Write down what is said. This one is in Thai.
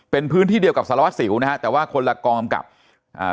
เป็นพื้นที่เดียวกับสารวัสสิวนะฮะแต่ว่าคนละกองกำกับอ่า